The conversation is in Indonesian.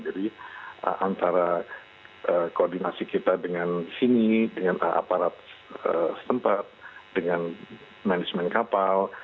jadi antara koordinasi kita dengan sini dengan aparat setempat dengan manajemen kapal